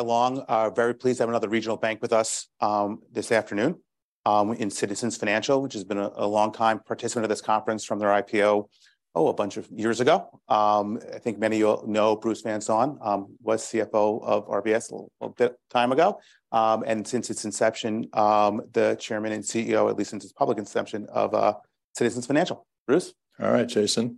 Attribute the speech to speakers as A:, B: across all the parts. A: Along, very pleased to have another regional bank with us this afternoon in Citizens Financial, which has been a long time participant of this conference from their IPO, a bunch of years ago. I think many of you know Bruce Van Saun was CFO of RBS a little bit time ago. Since its inception, the Chairman and CEO, at least since its public inception, of Citizens Financial. Bruce?
B: All right, Jason.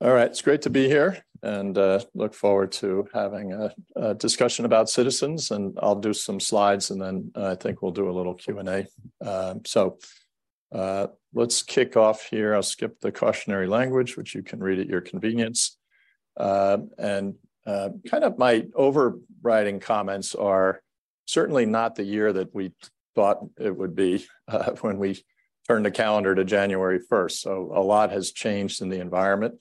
B: All right, it's great to be here, look forward to having a discussion about Citizens, I'll do some slides, and then I think we'll do a little Q&A. Let's kick off here. I'll skip the cautionary language, which you can read at your convenience. Kind of my overriding comments are certainly not the year that we thought it would be, when we turned the calendar to January first. A lot has changed in the environment.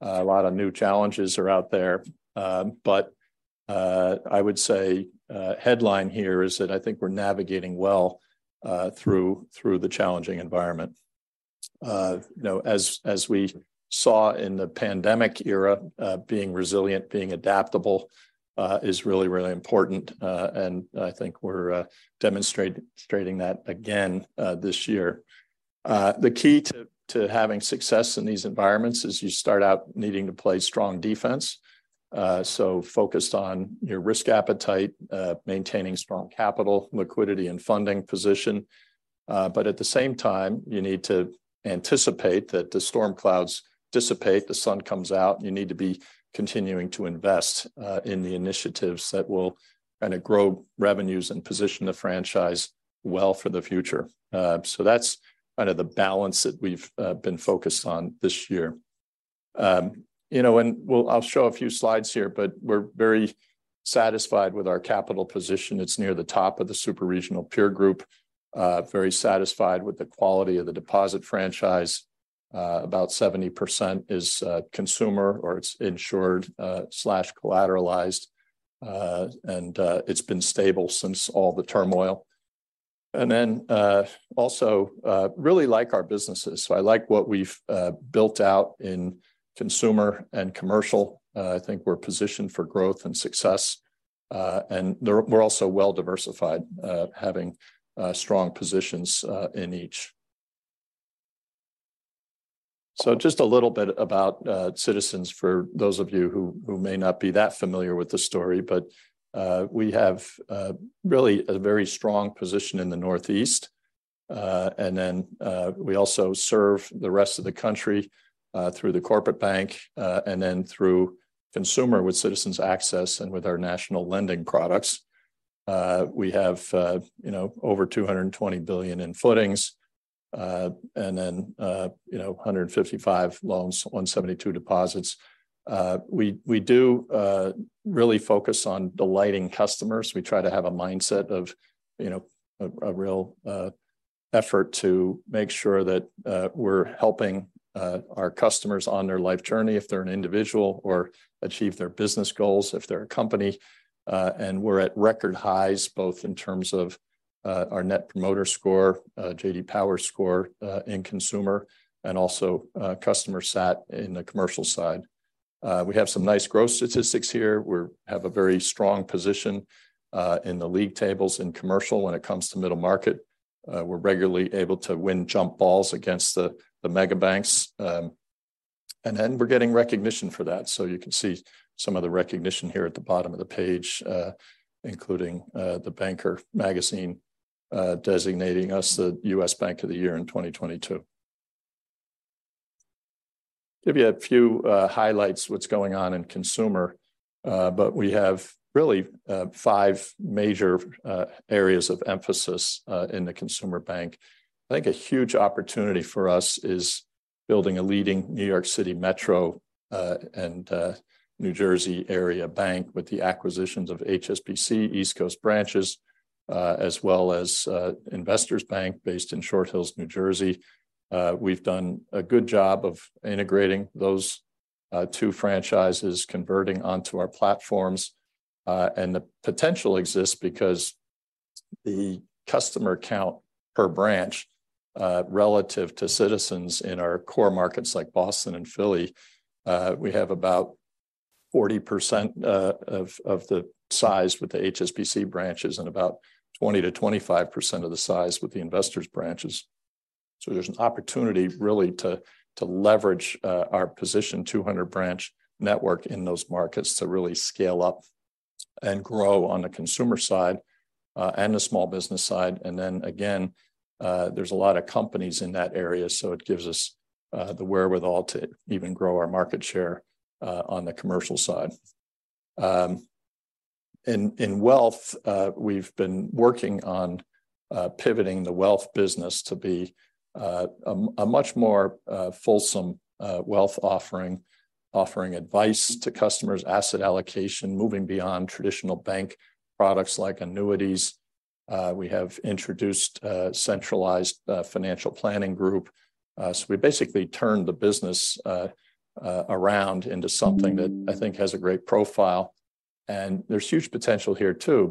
B: A lot of new challenges are out there. I would say, a headline here is that I think we're navigating well through the challenging environment. You know, as we saw in the pandemic era, being resilient, being adaptable, is really, really important. I think we're demonstrating that again this year. The key to having success in these environments is you start out needing to play strong defense. Focused on your risk appetite, maintaining strong capital, liquidity and funding position. At the same time, you need to anticipate that the storm clouds dissipate, the sun comes out, you need to be continuing to invest in the initiatives that will kind of grow revenues and position the franchise well for the future. That's kind of the balance that we've been focused on this year. You know, I'll show a few slides here, but we're very satisfied with our capital position. It's near the top of the super-regional peer group. Very satisfied with the quality of the deposit franchise. About 70% is consumer or it's insured, slash collateralized. It's been stable since all the turmoil. Also, really like our businesses. I like what we've built out in consumer and commercial. I think we're positioned for growth and success. We're also well-diversified, having strong positions in each. Just a little bit about Citizens for those of you who may not be that familiar with the story, but we have really a very strong position in the Northeast. We also serve the rest of the country through the corporate bank, and then through consumer with Citizens Access and with our national lending products. We have, you know, over $220 billion in footings, and then, you know, $155 loans, $172 deposits. We do really focus on delighting customers. We try to have a mindset of, you know, a real effort to make sure that we're helping our customers on their life journey if they're an individual or achieve their business goals if they're a company. We're at record highs, both in terms of our Net Promoter Score, J.D. Power score in consumer, and also customer sat in the commercial side. We have some nice growth statistics here. We have a very strong position in the league tables in commercial when it comes to middle market. We're regularly able to win jump balls against the mega banks, and then we're getting recognition for that. You can see some of the recognition here at the bottom of the page, including The Banker Magazine designating us the U.S. Bank of the Year in 2022. Give you a few highlights what's going on in consumer. We have really five major areas of emphasis in the consumer bank. I think a huge opportunity for us is building a leading New York City Metro and New Jersey area bank with the acquisitions of HSBC East Coast branches as well as Investors Bank based in Short Hills, New Jersey. We've done a good job of integrating those two franchises converting onto our platforms, and the potential exists because the customer count per branch relative to Citizens in our core markets like Boston and Philly, we have about 40% of the size with the HSBC branches and about 20%-25% of the size with the Investors branches. There's an opportunity really to leverage our position 200 branch network in those markets to really scale up and grow on the consumer side and the small business side. There's a lot of companies in that area, so it gives us the wherewithal to even grow our market share on the commercial side. In wealth, we've been working on pivoting the wealth business to be a much more fulsome wealth offering advice to customers, asset allocation, moving beyond traditional bank products like annuities. We have introduced a centralized financial planning group. We basically turned the business around into something that I think has a great profile. There's huge potential here too,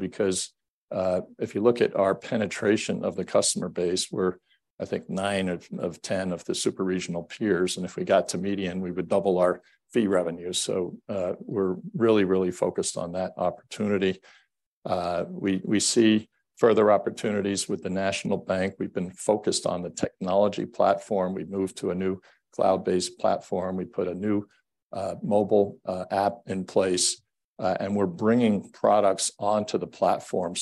B: if you look at our penetration of the customer base, we're I think 9 of 10 of the super-regional peers, and if we got to median, we would double our fee revenue. We're really focused on that opportunity. We see further opportunities with the national bank. We've been focused on the technology platform. We've moved to a new cloud-based platform. We put a new mobile app in place and we're bringing products onto the platform.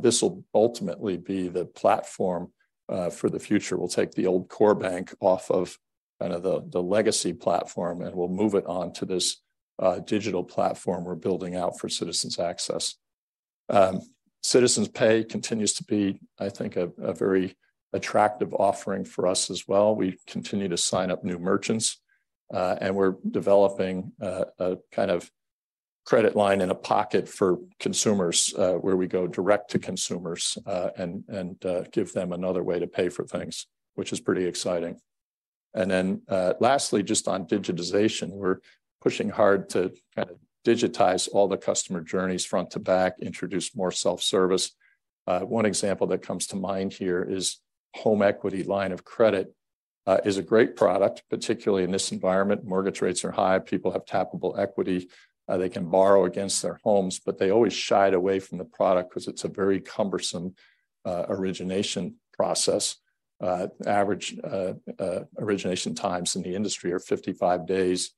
B: This will ultimately be the platform for the future. We'll take the old core bank off of kind of the legacy platform, and we'll move it onto this digital platform we're building out for Citizens Access. Citizens Pay continues to be, I think, a very attractive offering for us as well. We continue to sign up new merchants and we're developing a kind of credit line in a pocket for consumers where we go direct to consumers and give them another way to pay for things, which is pretty exciting. Lastly just on digitization, we're pushing hard to kind of digitize all the customer journeys front to back, introduce more self-service. One example that comes to mind here is home equity line of credit is a great product, particularly in this environment. Mortgage rates are high, people have tappable equity, they can borrow against their homes, but they always shied away from the product 'cause it's a very cumbersome origination process. Average origination times in the industry are 55 days.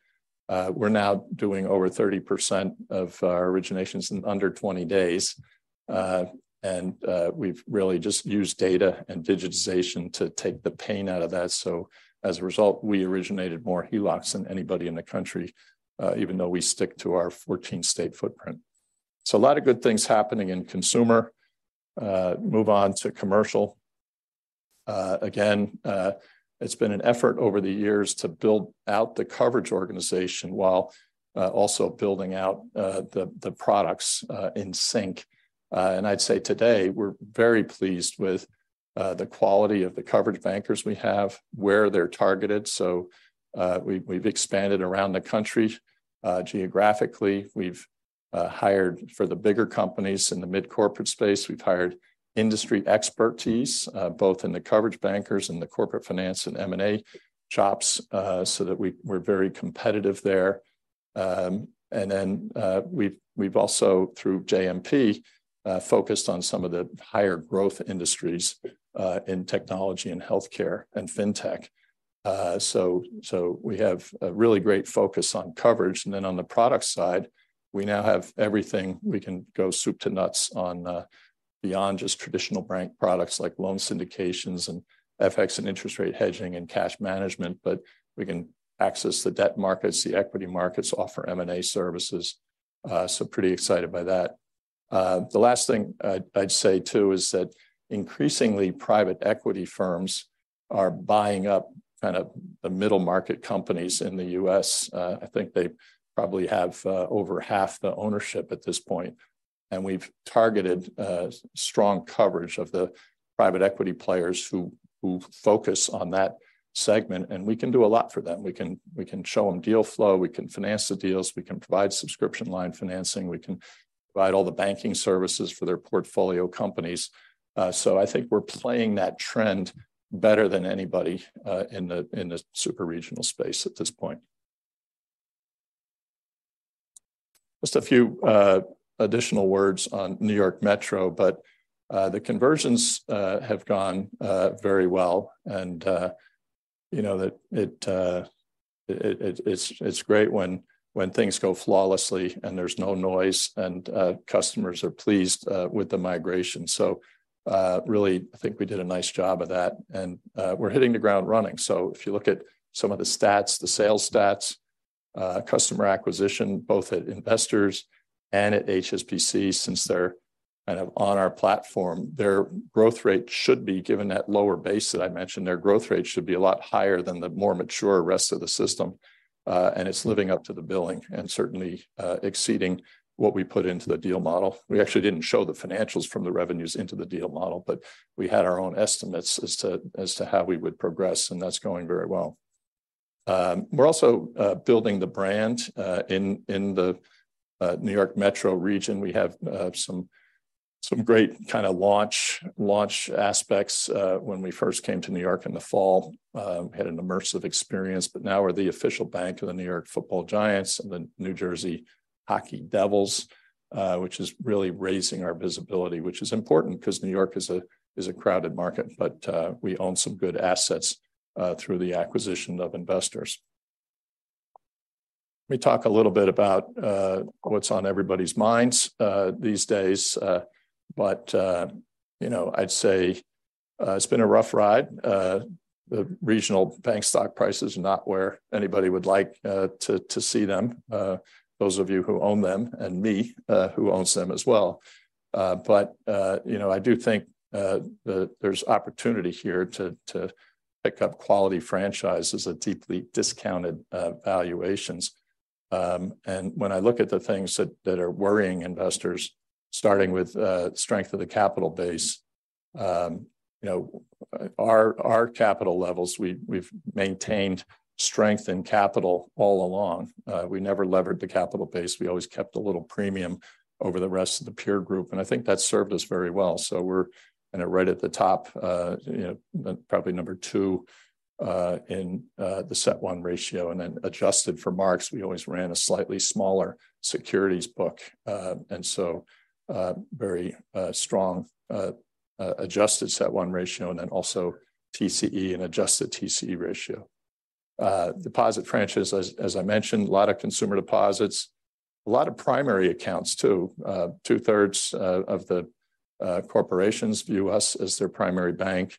B: We're now doing over 30% of our originations in under 20 days. We've really just used data and digitization to take the pain out of that. As a result, we originated more HELOCs than anybody in the country, even though we stick to our 14-state footprint. A lot of good things happening in consumer. Move on to commercial. Again, it's been an effort over the years to build out the coverage organization while also building out the products in sync. I'd say today we're very pleased with the quality of the coverage bankers we have, where they're targeted. We've expanded around the country. Geographically, we've hired for the bigger companies in the mid-corporate space. We've hired industry expertise, both in the coverage bankers and the corporate finance and M&A shops, so that we're very competitive there. We've also through JMP focused on some of the higher growth industries in technology and healthcare and fintech. We have a really great focus on coverage. On the product side, we now have everything. We can go soup to nuts on beyond just traditional bank products like loan syndications and FX and interest rate hedging and cash management. We can access the debt markets, the equity markets, offer M&A services. Pretty excited by that. The last thing I'd say too is that increasingly private equity firms are buying up kind of the middle-market companies in the U.S. I think they probably have over half the ownership at this point, and we've targeted strong coverage of the private equity players who focus on that segment, and we can do a lot for them. We can show them deal flow, we can finance the deals, we can provide subscription line financing, we can provide all the banking services for their portfolio companies. I think we're playing that trend better than anybody in the super-regional space at this point. Just a few additional words on New York Metro, the conversions have gone very well and, you know, it's great when things go flawlessly and there's no noise and customers are pleased with the migration. Really I think we did a nice job of that. We're hitting the ground running. If you look at some of the stats, the sales stats, customer acquisition, both at Investors and at HSBC, since they're kind of on our platform, their growth rate should be, given that lower base that I mentioned, their growth rate should be a lot higher than the more mature rest of the system. It's living up to the billing and certainly exceeding what we put into the deal model. We actually didn't show the financials from the revenues into the deal model, but we had our own estimates as to how we would progress, and that's going very well. We're also building the brand in the New York Metro region. We have some great kind of launch aspects when we first came to New York in the fall, had an immersive experience. Now we're the official bank of the New York football Giants and the New Jersey hockey Devils, which is really raising our visibility, which is important because New York is a crowded market. We own some good assets through the acquisition of Investors. Let me talk a little bit about what's on everybody's minds these days. You know, I'd say it's been a rough ride. The regional bank stock price is not where anybody would like to see them. Those of you who own them and me, who owns them as well. You know, I do think that there's opportunity here to pick up quality franchises at deeply discounted valuations. When I look at the things that are worrying investors, starting with strength of the capital base, you know, our capital levels, we've maintained strength and capital all along. We never levered the capital base. We always kept a little premium over the rest of the peer group, and I think that's served us very well. We're kind of right at the top, you know, probably number 2 in the CET1 ratio, and then adjusted for marks. We always ran a slightly smaller securities book, very strong adjusted CET1 ratio and then also TCE and adjusted TCE ratio. Deposit franchise as I mentioned, a lot of consumer deposits, a lot of primary accounts too. Two-thirds of the corporations view us as their primary bank,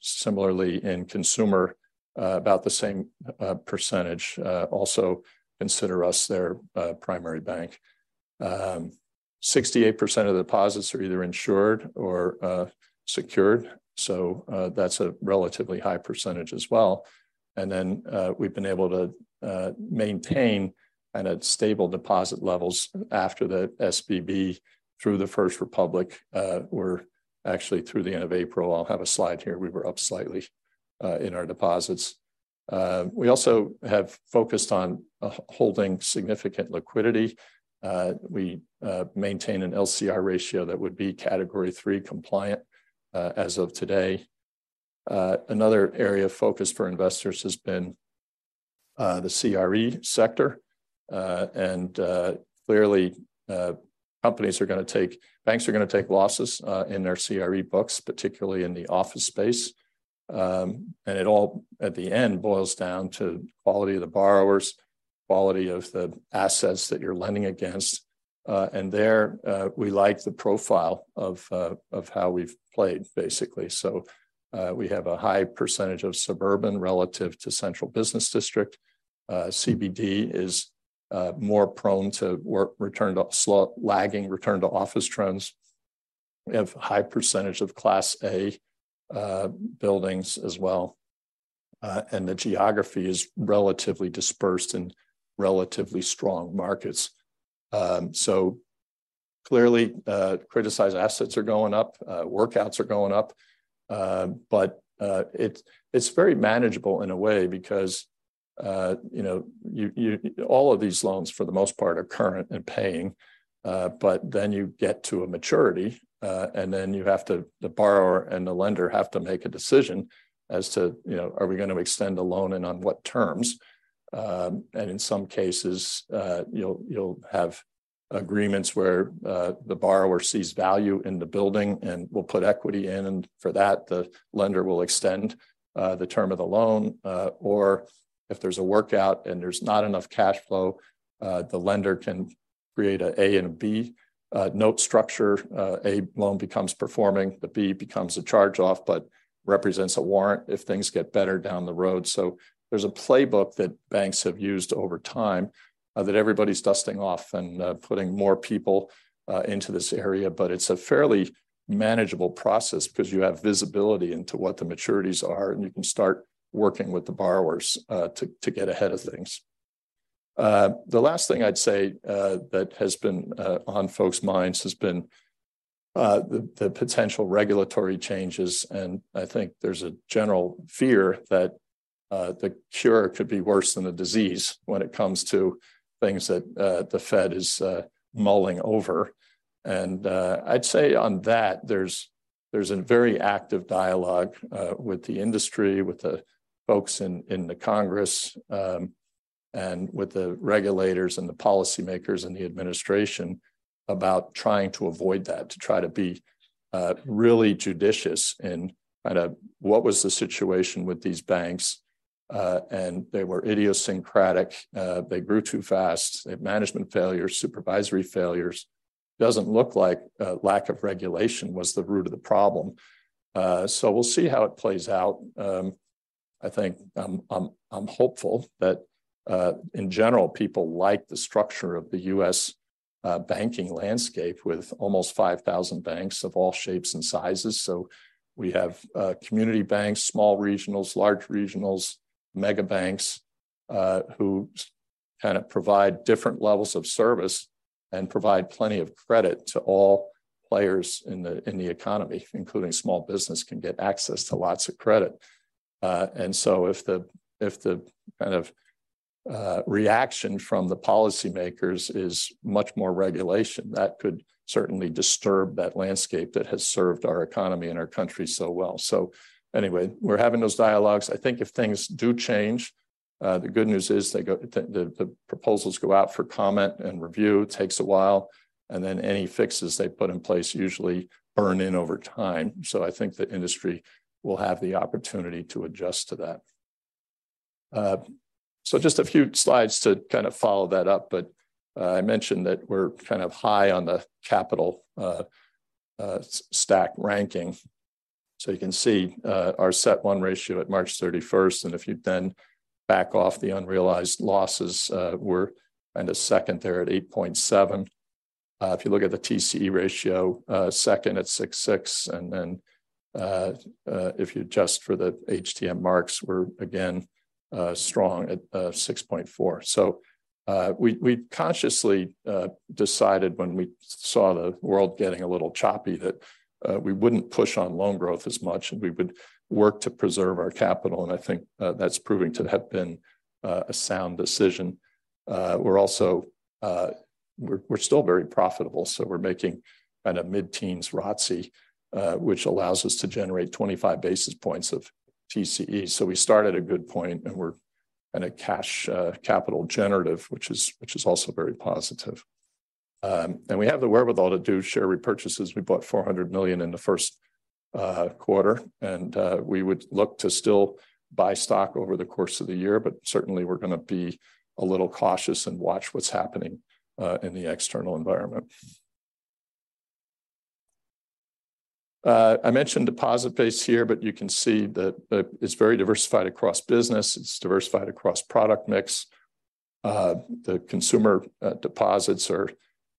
B: similarly in consumer about the same percentage also consider us their primary bank. 68% of the deposits are either insured or secured, that's a relatively high percentage as well. We've been able to maintain stable deposit levels after the SVB through the First Republic. Actually through the end of April, I'll have a slide here, we were up slightly in our deposits. We also have focused on holding significant liquidity. We maintain an LCR ratio that would be Category III compliant as of today. Another area of focus for Investors has been the CRE sector, and clearly, banks are gonna take losses in their CRE books, particularly in the office space. It all at the end boils down to quality of the borrowers, quality of the assets that you're lending against. There, we like the profile of how we've played, basically. We have a high percentage of suburban relative to central business district. CBD is more prone to work return to lagging return to office trends. We have a high percentage of Class A buildings as well. The geography is relatively dispersed and relatively strong markets. Clearly, criticized assets are going up, workouts are going up. It's very manageable in a way because, you know, all of these loans for the most part are current and paying. Then you get to a maturity, and then the borrower and the lender have to make a decision as to, you know, are we gonna extend a loan and on what terms. In some cases, you'll have agreements where the borrower sees value in the building and will put equity in. For that, the lender will extend the term of the loan. Or if there's a workout and there's not enough cash flow, the lender can create an A and a B note structure. A loan becomes performing, the B becomes a charge off, but represents a warrant if things get better down the road. There's a playbook that banks have used over time that everybody's dusting off and putting more people into this area. It's a fairly manageable process because you have visibility into what the maturities are, and you can start working with the borrowers to get ahead of things. The last thing I'd say that has been on folks' minds has been the potential regulatory changes, and I think there's a general fear that the cure could be worse than the disease when it comes to things that the Fed is mulling over. I'd say on that, there's a very active dialogue with the industry, with the folks in the Congress, and with the regulators and the policymakers and the administration about trying to avoid that, to try to be really judicious in kind of what was the situation with these banks. They were idiosyncratic. They grew too fast. They have management failures, supervisory failures. Doesn't look like lack of regulation was the root of the problem. We'll see how it plays out. I think I'm hopeful that, in general, people like the structure of the U.S. banking landscape with almost 5,000 banks of all shapes and sizes. We have community banks, small regionals, large regionals, mega banks who kind of provide different levels of service and provide plenty of credit to all players in the economy, including small business can get access to lots of credit. If the kind of reaction from the policymakers is much more regulation, that could certainly disturb that landscape that has served our economy and our country so well. Anyway, we're having those dialogues. I think if things do change, the good news is the proposals go out for comment and review, takes a while, and then any fixes they put in place usually burn in over time. I think the industry will have the opportunity to adjust to that. Just a few slides to kind of follow that up. I mentioned that we're kind of high on the capital stack ranking. You can see our CET1 ratio at March 31st, and if you then back off the unrealized losses, we're kind of second there at 8.7%. If you look at the TCE ratio, second at 6.6%, and then if you adjust for the HTM marks, we're again strong at 6.4%. We consciously decided when we saw the world getting a little choppy that we wouldn't push on loan growth as much and we would work to preserve our capital, and I think that's proving to have been a sound decision. We're also we're still very profitable, so we're making kind of mid-teens ROTCE, which allows us to generate 25 basis points of TCE. We start at a good point, and we're in a cash capital generative, which is also very positive. We have the wherewithal to do share repurchases. We bought $400 million in the first quarter, and we would look to still buy stock over the course of the year. Certainly we're gonna be a little cautious and watch what's happening in the external environment. I mentioned deposit base here, you can see that it's very diversified across business. It's diversified across product mix. The consumer deposits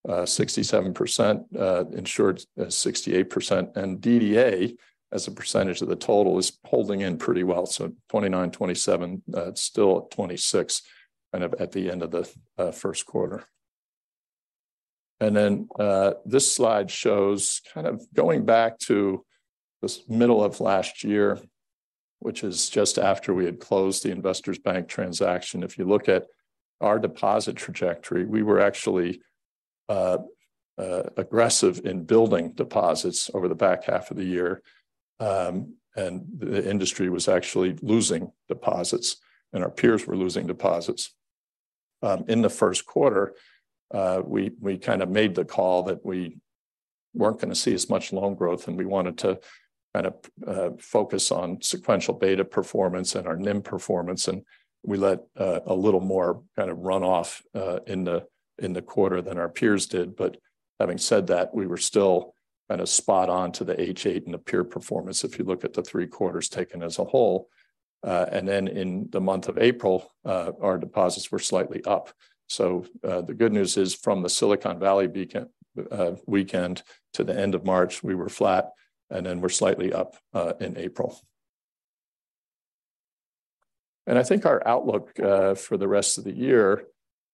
B: are 67% insured, 68%, and DDA as a percentage of the total is holding in pretty well, so 29, 27, still at 26 kind of at the end of the first quarter. This slide shows kind of going back to this middle of last year, which is just after we had closed the Investors Bank transaction. If you look at our deposit trajectory, we were actually aggressive in building deposits over the back half of the year. The industry was actually losing deposits, and our peers were losing deposits. In the first quarter, we kind of made the call that we weren't gonna see as much loan growth, and we wanted to kind of focus on sequential beta performance and our NIM performance. We let a little more kind of run off in the quarter than our peers did. Having said that, we were still kind of spot on to the H.8 and the peer performance if you look at the three quarters taken as a whole. In the month of April, our deposits were slightly up. The good news is from the Silicon Valley weekend to the end of March, we were flat, and then we're slightly up in April. I think our outlook for the rest of the year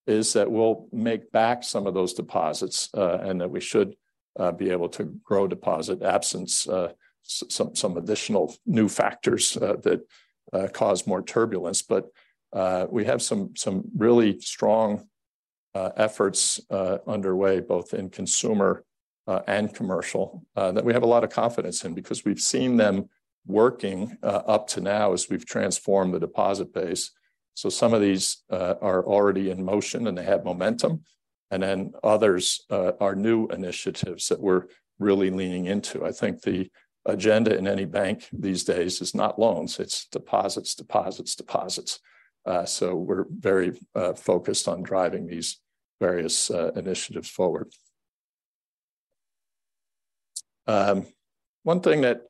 B: is that we'll make back some of those deposits, and that we should be able to grow deposit absence, some additional new factors that cause more turbulence. We have some really strong efforts underway both in consumer and commercial that we have a lot of confidence in because we've seen them working up to now as we've transformed the deposit base. Some of these are already in motion, and they have momentum. Others are new initiatives that we're really leaning into. I think the agenda in any bank these days is not loans, it's deposits, deposits. We're very focused on driving these various initiatives forward. One thing that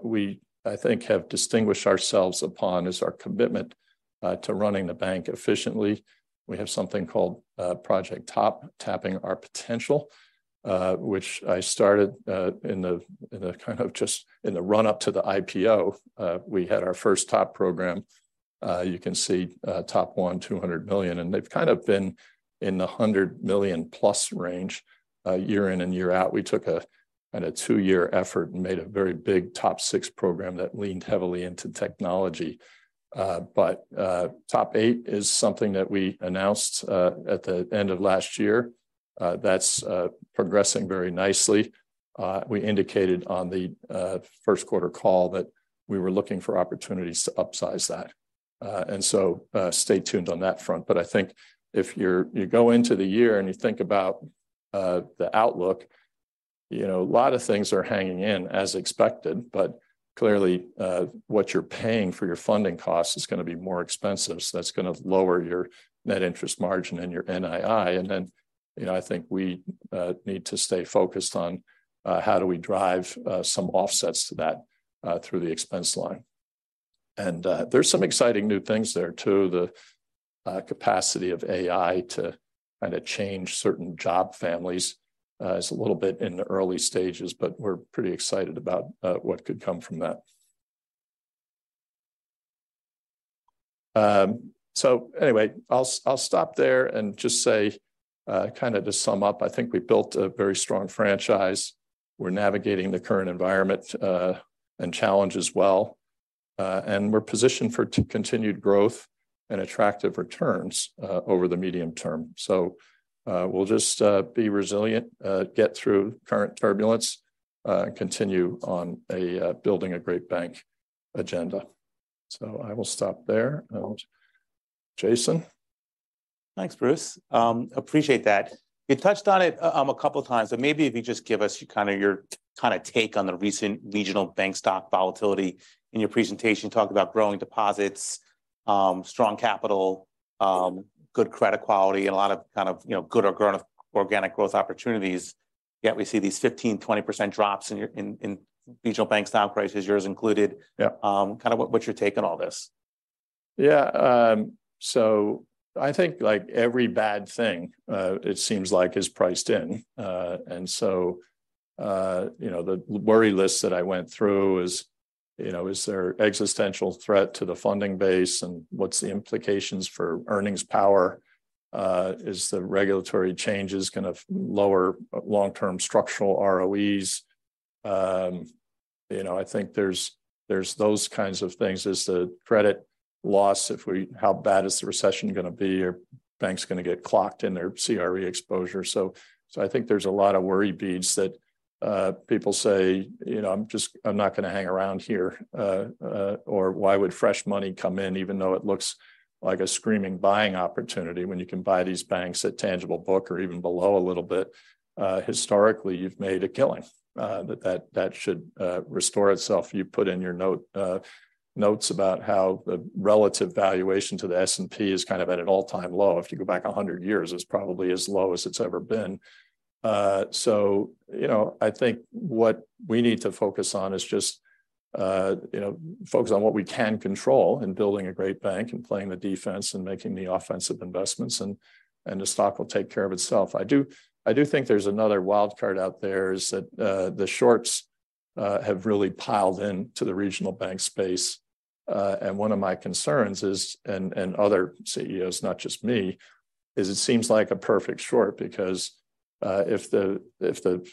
B: we I think have distinguished ourselves upon is our commitment to running the bank efficiently. We have something called Project TOP, Tapping Our Potential, which I started in a kind of just in the run-up to the IPO. We had our first TOP program. You can see TOP 1, $200 million, and they've kind of been in the $100 million-plus range year in and year out. We took a kind of two-year effort and made a very big TOP 6 program that leaned heavily into technology. TOP 8 is something that we announced at the end of last year, that's progressing very nicely. We indicated on the first quarter call that we were looking for opportunities to upsize that. stay tuned on that front. I think if you go into the year and you think about the outlook, you know, a lot of things are hanging in as expected, but clearly, what you're paying for your funding cost is gonna be more expensive, so that's gonna lower your net interest margin and your NII. you know, I think we need to stay focused on how do we drive some offsets to that through the expense line. there's some exciting new things there too. The capacity of AI to kind of change certain job families is a little bit in the early stages, but we're pretty excited about what could come from that. Anyway, I'll stop there and just say, kind of to sum up, I think we built a very strong franchise. We're navigating the current environment and challenge as well. We're positioned for continued growth and attractive returns over the medium term. We'll just be resilient, get through current turbulence and continue on a building a great bank agenda. I will stop there and Jason.
A: Thanks, Bruce. Appreciate that. You touched on it, a couple of times, so maybe if you just give us kind of your kind of take on the recent regional bank stock volatility. In your presentation, you talked about growing deposits, strong capital, good credit quality and a lot of kind of, you know, good or grown organic growth opportunities, yet we see these 15%, 20% drops in regional bank stock prices, yours included.
B: Yeah.
A: kind of what's your take on all this?
B: Yeah. I think like every bad thing, it seems like is priced in. You know, the worry list that I went through is, you know, is there existential threat to the funding base, and what's the implications for earnings power? Is the regulatory changes gonna lower long-term structural ROEs? You know, I think there's those kinds of things. Is the credit loss how bad is the recession gonna be? Are banks gonna get clocked in their CRE exposure? I think there's a lot of worry beads that people say, "You know, I'm just I'm not gonna hang around here," or why would fresh money come in even though it looks like a screaming buying opportunity when you can buy these banks at tangible book or even below a little bit? Historically, you've made a killing. That should restore itself. You put in your notes about how the relative valuation to the S&P is kind of at an all-time low. If you go back 100 years, it's probably as low as it's ever been. So, you know, I think what we need to focus on is just, you know, focus on what we can control in building a great bank and playing the defense and making the offensive investments and the stock will take care of itself. I do think there's another wild card out there is that the shorts have really piled into the regional bank space. One of my concerns is, and other CEOs, not just me, is it seems like a perfect short because if the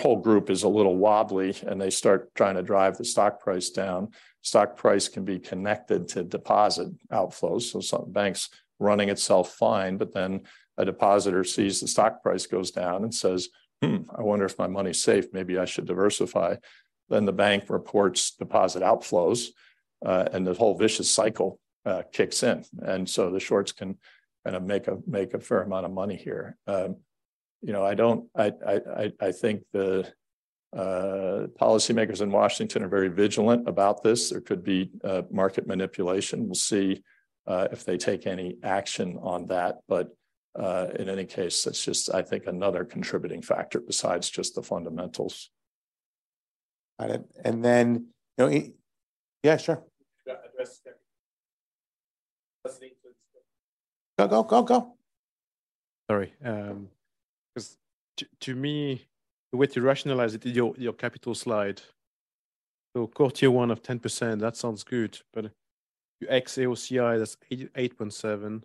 B: whole group is a little wobbly and they start trying to drive the stock price down, stock price can be connected to deposit outflows. Some banks running itself fine, but then a depositor sees the stock price goes down and says, "Hmm, I wonder if my money's safe. Maybe I should diversify." The bank reports deposit outflows, and the whole vicious cycle kicks in. The shorts can kinda make a fair amount of money here. You know, I think the policymakers in Washington are very vigilant about this. There could be market manipulation. We'll see if they take any action on that. In any case, that's just, I think, another contributing factor besides just the fundamentals.
C: Got it. Then, you know. Yeah, sure. Address there.
A: Go, go, go.
C: 'Cause to me, the way to rationalize it, your capital slide. Core tier 1 of 10%, that sounds good, but you ex-AOCI, that's 8.7%.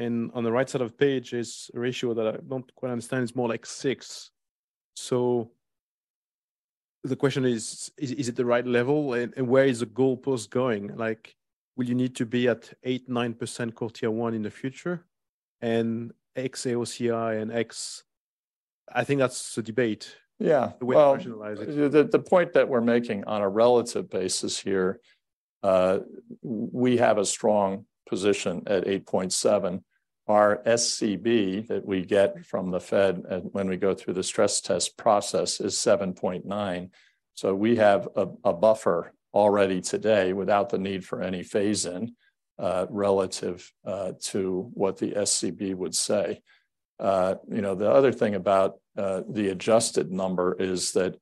C: On the right side of page is a ratio that I don't quite understand. It's more like 6%. The question is it the right level, and where is the goalpost going? Like, will you need to be at 8%, 9% core tier 1 in the future? Ex-AOCI, I think that's the debate.
B: Yeah.
C: The way to rationalize it.
B: The point that we're making on a relative basis here, we have a strong position at 8.7. Our SCB that we get from the Fed when we go through the stress test process is 7.9. We have a buffer already today without the need for any phase in relative to what the SCB would say. You know, the other thing about the adjusted number is that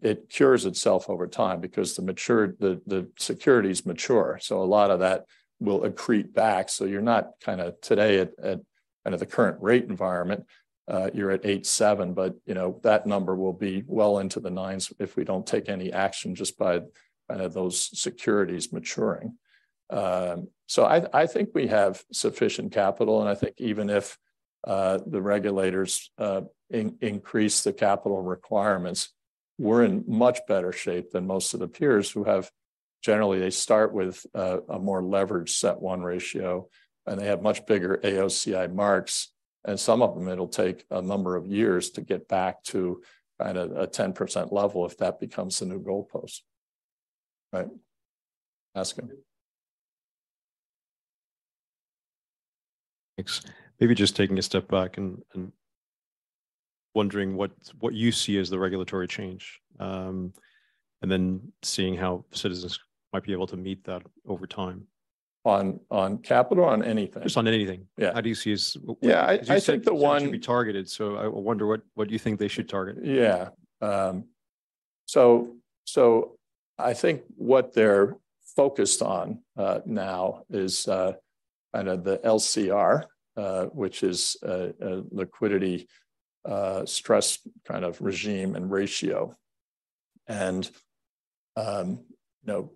B: it cures itself over time because the securities mature. A lot of that will accrete back. You're not kinda today under the current rate environment, you're at 8.7, but, you know, that number will be well into the 9s if we don't take any action just by those securities maturing. I think we have sufficient capital, and I think even if the regulators increase the capital requirements, we're in much better shape than most of the peers who have generally they start with a more leveraged CET1 ratio, and they have much bigger AOCI marks. Some of them, it'll take a number of years to get back to kind of a 10% level if that becomes the new goalpost.
A: Right. Ask him.
C: Thanks. Maybe just taking a step back and wondering what you see as the regulatory change, and then seeing how Citizens might be able to meet that over time.
B: On capital or on anything?
C: Just on anything.
B: Yeah.
C: How do you see as-?
B: Yeah, I think.
C: As you said it should be targeted, I wonder what you think they should target?
B: Yeah. I think what they're focused on now is kind of the LCR, which is a liquidity stress kind of regime and ratio. You know,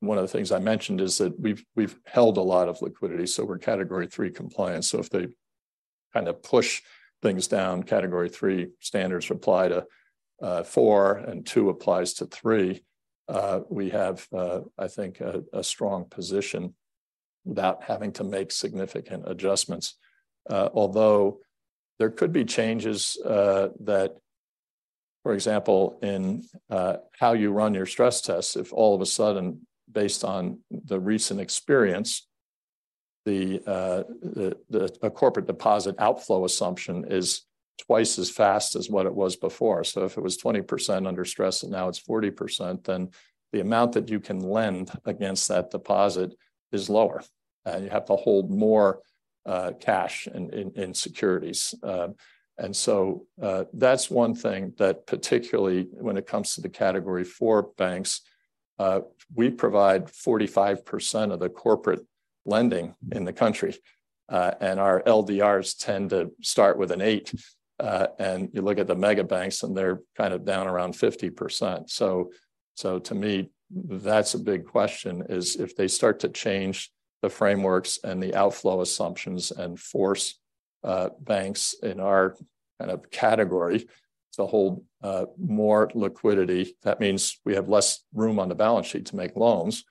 B: one of the things I mentioned is that we've held a lot of liquidity, so we're Category III compliant. If they kind of push things down, Category III standards apply to 4 and 2 applies to 3, we have, I think, a strong position without having to make significant adjustments. Although there could be changes that, for example, in how you run your stress tests, if all of a sudden, based on the recent experience, a corporate deposit outflow assumption is twice as fast as what it was before. If it was 20% under stress and now it's 40%, the amount that you can lend against that deposit is lower, and you have to hold more cash in securities. That's one thing that particularly when it comes to the Category IV banks. We provide 45% of the corporate lending in the country. Our LDRs tend to start with an 8. You look at the mega banks, and they're kind of down around 50%. To me, that's a big question is if they start to change the frameworks and the outflow assumptions and force banks in our kind of category to hold more liquidity, that means we have less room on the balance sheet to make loans,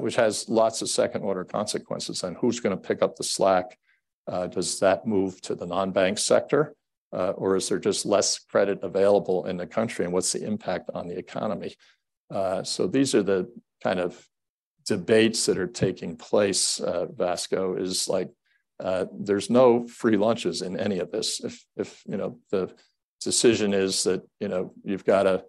B: which has lots of second-order consequences. Who's gonna pick up the slack? Does that move to the non-bank sector, or is there just less credit available in the country, and what's the impact on the economy? These are the kind of debates that are taking place, Vasco, is like, there's no free lunches in any of this. If, you know, the decision is that, you know, you've gotta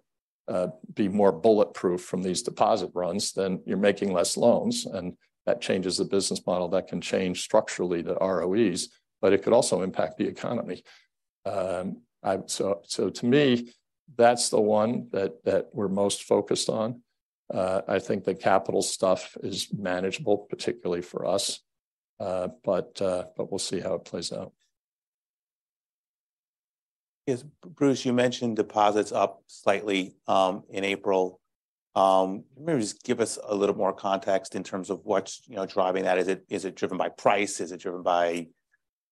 B: be more bulletproof from these deposit runs, then you're making less loans, and that changes the business model, that can change structurally the ROEs, but it could also impact the economy. To me, that's the one that we're most focused on. I think the capital stuff is manageable, particularly for us, but we'll see how it plays out.
A: Yes. Bruce, you mentioned deposits up slightly in April. Maybe just give us a little more context in terms of what's, you know, driving that. Is it driven by price? Is it driven by,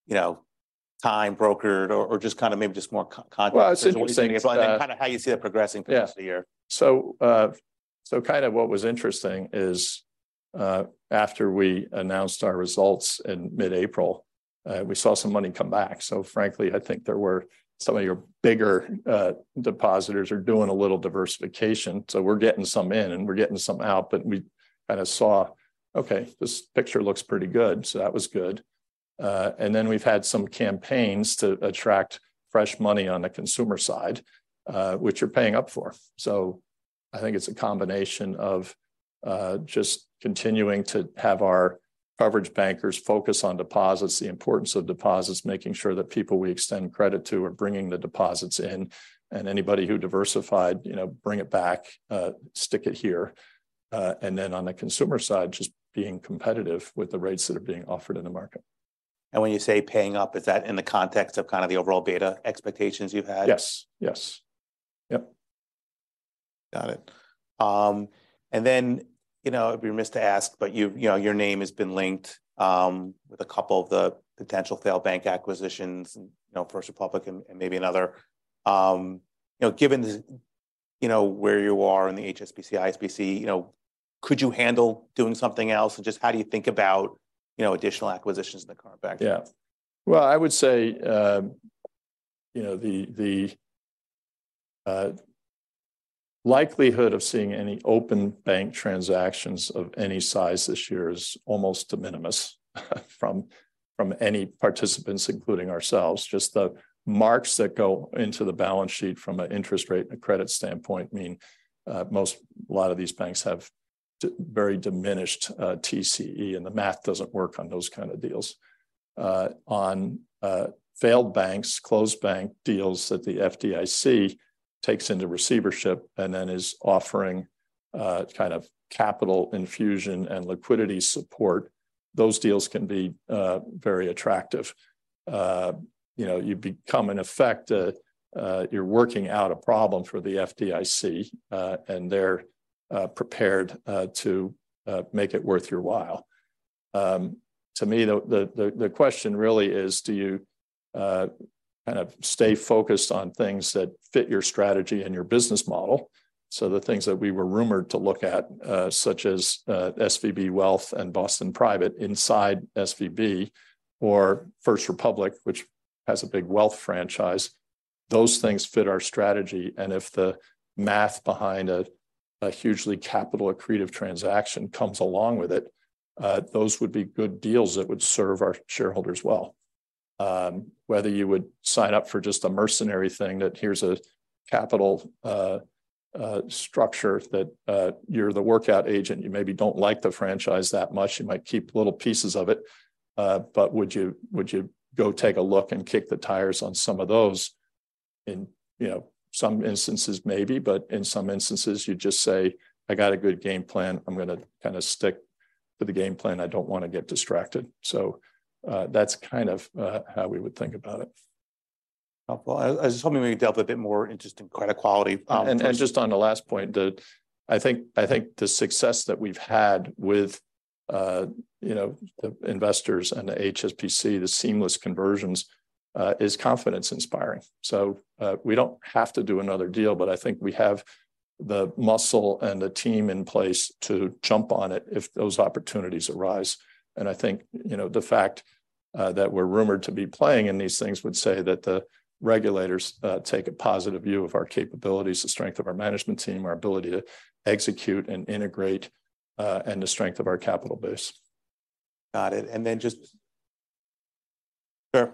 A: you know, time brokered? Or just kinda maybe just more context?
B: Well, I was just gonna say...
A: Kind of how you see that progressing through-
B: Yeah...
A: the year.
B: Kind of what was interesting is, after we announced our results in mid-April, we saw some money come back. Frankly, I think there were some of your bigger depositors are doing a little diversification. We're getting some in, and we're getting some out, but we kinda saw, okay, this picture looks pretty good, so that was good. We've had some campaigns to attract fresh money on the consumer side, which you're paying up for. I think it's a combination of just continuing to have our coverage bankers focus on deposits, the importance of deposits, making sure that people we extend credit to are bringing the deposits in, and anybody who diversified, you know, bring it back, stick it here. Then on the consumer side, just being competitive with the rates that are being offered in the market.
A: When you say paying up, is that in the context of kinda the overall beta expectations you've had?
B: Yes. Yes. Yep.
A: Got it. Then, you know, it'd be remiss to ask, but you know, your name has been linked with a couple of the potential failed bank acquisitions, you know, First Republic and maybe another. You know, given the, you know, where you are in the HSBC, ISBC, you know, could you handle doing something else? Just how do you think about, you know, additional acquisitions in the current backdrop?
B: Well, I would say, you know, the likelihood of seeing any open bank transactions of any size this year is almost de minimis from any participants, including ourselves. Just the marks that go into the balance sheet from an interest rate and a credit standpoint mean, most, a lot of these banks have very diminished TCE, and the math doesn't work on those kind of deals. On failed banks, closed bank deals that the FDIC takes into receivership and then is offering kind of capital infusion and liquidity support, those deals can be very attractive. You know, you become, in effect. You're working out a problem for the FDIC, and they're prepared to make it worth your while. To me, the question really is: Do you kind of stay focused on things that fit your strategy and your business model? The things that we were rumored to look at, such as SVB Wealth and Boston Private inside SVB or First Republic, which has a big wealth franchise, those things fit our strategy. If the math behind a hugely capital accretive transaction comes along with it, those would be good deals that would serve our shareholders well. Whether you would sign up for just a mercenary thing that here's a capital structure that you're the workout agent, you maybe don't like the franchise that much, you might keep little pieces of it, would you go take a look and kick the tires on some of those? In, you know, some instances maybe, but in some instances, you just say, "I got a good game plan. I'm gonna kinda stick to the game plan. I don't wanna get distracted." That's kind of how we would think about it.
A: Well, I was hoping we could delve a bit more interest in credit quality.
B: Just on the last point, I think the success that we've had with, you know, the Investors and the HSBC, the seamless conversions, is confidence inspiring. We don't have to do another deal, but I think we have the muscle and the team in place to jump on it if those opportunities arise. I think, you know, the fact that we're rumored to be playing in these things would say that the regulators take a positive view of our capabilities, the strength of our management team, our ability to execute and integrate, and the strength of our capital base.
A: Got it. Just... Sure.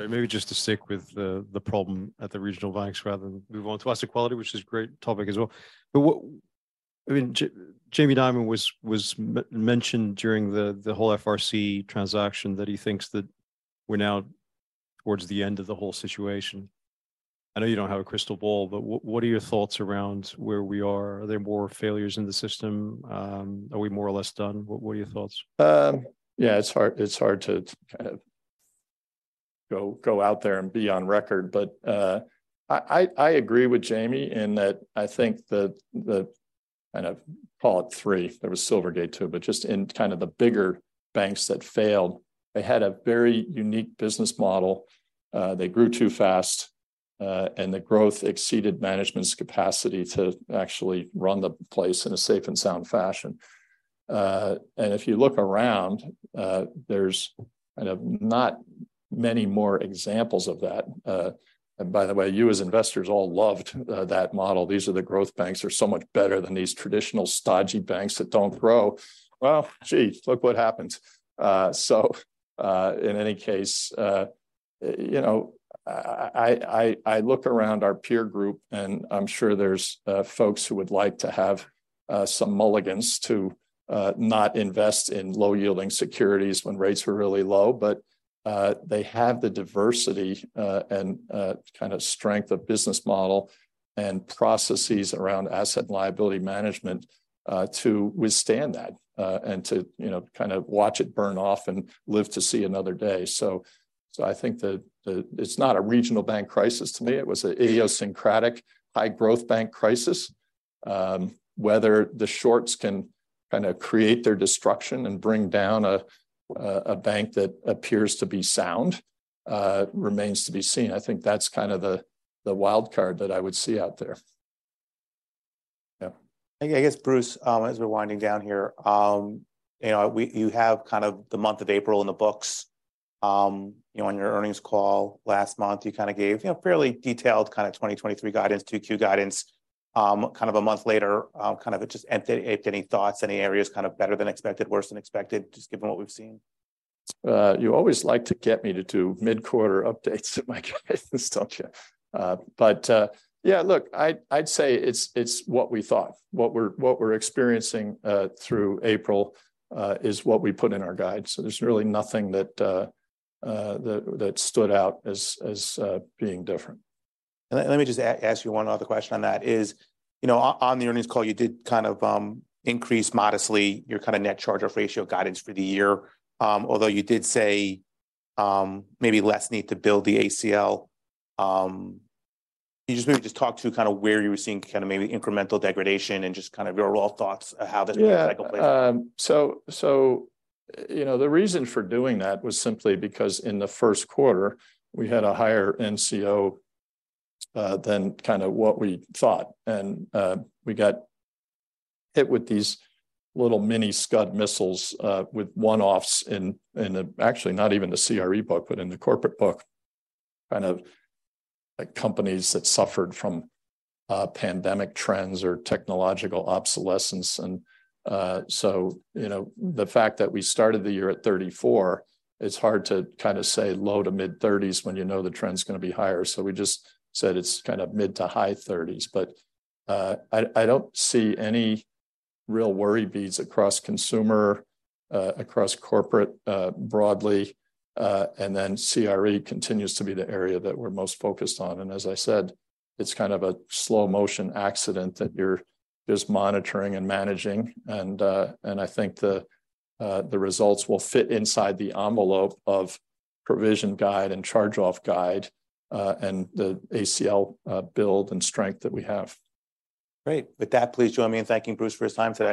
C: Sorry, maybe just to stick with the problem at the regional banks rather than move on to asset quality, which is great topic as well. I mean, Jamie Dimon was mentioned during the whole FRC transaction that he thinks that we're now- Towards the end of the whole situation. I know you don't have a crystal ball, but what are your thoughts around where we are? Are there more failures in the system? Are we more or less done? What are your thoughts?
B: Yeah, it's hard to kind of go out there and be on record, but I agree with Jamie in that I think the kind of call it three, there was Silvergate too, but just in kind of the bigger banks that failed, they had a very unique business model, they grew too fast, and the growth exceeded management's capacity to actually run the place in a safe and sound fashion. If you look around, there's kind of not many more examples of that. By the way, you as investors all loved that model. These are the growth banks are so much better than these traditional stodgy banks that don't grow. Geez, look what happens. In any case, you know, I look around our peer group and I'm sure there's folks who would like to have some mulligans to not invest in low-yielding securities when rates are really low. They have the diversity and kind of strength of business model and processes around asset liability management to withstand that and to, you know, kind of watch it burn off and live to see another day. I think it's not a regional bank crisis to me, it was a idiosyncratic high-growth bank crisis. Whether the shorts can kind of create their destruction and bring down a bank that appears to be sound, remains to be seen. I think that's kind of the wild card that I would see out there.
C: Yeah.
A: I guess, Bruce, as we're winding down here, you know, you have kind of the month of April in the books. You know, on your earnings call last month, you kind of gave, you know, fairly detailed kind of 2023 guidance, 2Q guidance. Kind of a month later, kind of just any thoughts, any areas kind of better than expected, worse than expected, just given what we've seen?
B: You always like to get me to do mid-quarter updates to my guidance, don't you? Yeah, look, I'd say it's what we thought. What we're experiencing through April is what we put in our guide. There's really nothing that stood out as being different.
A: Let me just ask you one other question on that. You know, on the earnings call, you did kind of increase modestly your kinda net charge or ratio guidance for the year. Although you did say maybe less need to build the ACL. Can you just maybe just talk to kind of where you were seeing kind of maybe incremental degradation and just kind of your overall thoughts how this cycle plays out?
B: You know, the reason for doing that was simply because in the first quarter, we had a higher NCO than kind of what we thought. We got hit with these little mini Scud missiles with one-offs actually not even the CRE book, but in the corporate book, kind of like companies that suffered from pandemic trends or technological obsolescence. You know, the fact that we started the year at 34, it's hard to kind of say low-to-mid 30s when you know the trend's gonna be higher. We just said it's kind of mid-to-high 30s. I don't see any real worry beads across consumer, across corporate, broadly, and CRE continues to be the area that we're most focused on. As I said, it's kind of a slow motion accident that you're just monitoring and managing and I think the results will fit inside the envelope of provision guide and charge-off guide, and the ACL, build and strength that we have.
A: Great. With that, please join me in thanking Bruce for his time today.